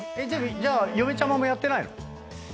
嫁ちゃまもやってないの？